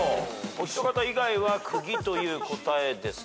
お一方以外はくぎという答えです。